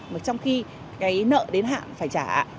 mà trong khi cái nợ đến hạn phải trả